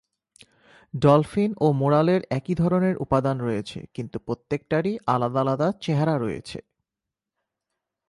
Dolphin ও মরালের একই ধরনের উপাদান রয়েছে, কিন্তু প্রত্যেকটারই আলাদা আলাদা চেহারা রয়েছে।